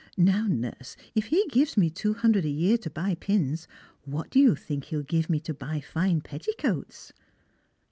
Now, nurse, if he gives me two hundred a year to buy pins, what do you think he'll give me to buy line petti coats